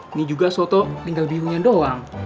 ini juga soto tinggal bihunya doang